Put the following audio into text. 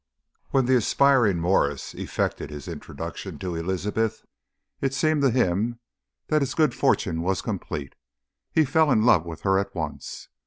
When the aspiring Mwres effected his introduction to Elizabeth, it seemed to him that his good fortune was complete. He fell in love with her at once.